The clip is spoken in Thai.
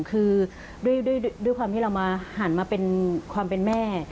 คือด้วยความที่เรามาหันมาเป็นความเป็นแม่